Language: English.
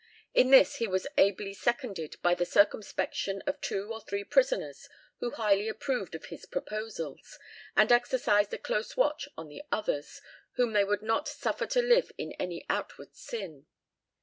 In this he was ably seconded by the "circumspection" of two or three prisoners who highly approved of his proposals, and exercised a close watch on the others, whom they would not "suffer to live in any outward sin."